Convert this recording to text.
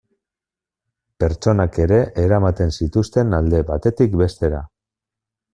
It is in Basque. Pertsonak ere eramaten zituzten alde batetik bestera.